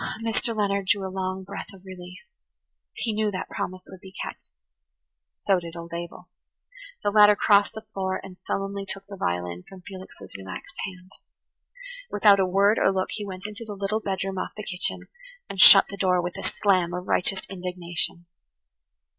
Mr. Leonard drew a long breath of relief. He knew that promise would be kept. So did old Abel. The latter crossed the floor and sullenly took the violin from Felix's relaxed hand. Without a word or look he went into the little bedroom off the kitchen and shut the door with a slam of righteous indignation.